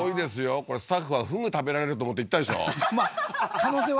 これスタッフはフグ食べられると思って行ったでしょははは